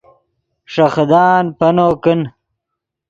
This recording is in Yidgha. ݰے خدان پینو کن